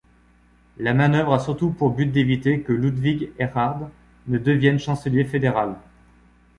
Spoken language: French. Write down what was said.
La manœuvre a surtout pour but d'éviter que Ludwig Erhard ne devienne chancelier fédéral.